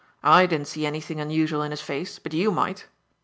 I didn't see anything unusual in his face, but you might.